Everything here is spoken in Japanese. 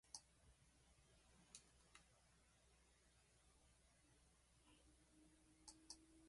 みんなは、私の動きぶりをよく見ようとして、私を囲んで、坐り込んでしまいました。私は帽子を取って、百姓にていねいに、おじぎをしました。